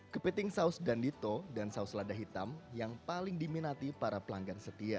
kepiting saus dan dito dan saus lada hitam yang paling diminati para pelanggan setia